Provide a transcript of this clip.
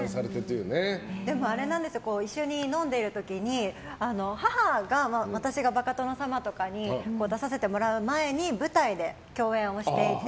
でも一緒に飲んでる時に母が、私が「バカ殿様」とかに出させてもらう前に舞台で共演をしていて。